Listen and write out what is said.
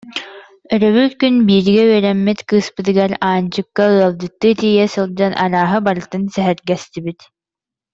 Өрөбүл күн бииргэ үөрэммит кыыспытыгар, Аанчыкка, ыалдьыттыы тиийэ сылдьан арааһы барытын сэһэргэстибит